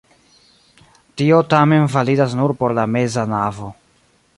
Tio tamen validas nur por la meza navo.